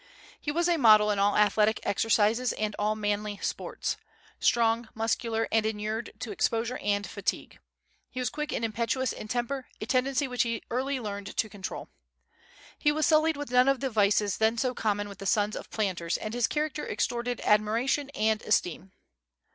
He was a model in all athletic exercises and all manly sports, strong, muscular, and inured to exposure and fatigue. He was quick and impetuous in temper, a tendency which he early learned to control. He was sullied with none of the vices then so common with the sons of planters, and his character extorted admiration and esteem.